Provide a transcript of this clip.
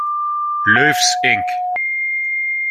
Loew’s, Inc.